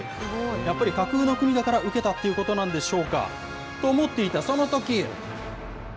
やっぱり架空の国だからウケたっていうことなんでしょうか。と思っていたそのとき。